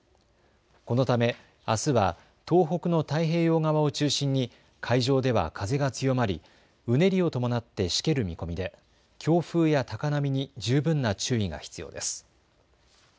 このため、あすは東北の太平洋側を中心に海上では風が強まりうねりを伴ってしける見込みで強風や高波に十分な注意が必要です。